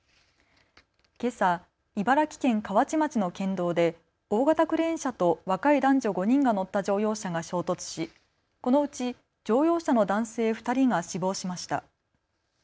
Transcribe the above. けさ茨城県河内町の県道で大型クレーン車と若い男女５人が乗った乗用車が衝突し、このうち乗用車の男性２人が死亡しました。